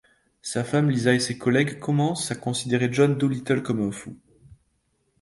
Sa femme Lisa et ses collègues commencent à considérer John Dolittle comme un fou.